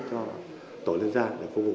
cho tổ liên gia để phục vụ